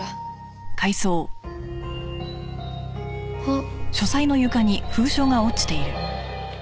あっ。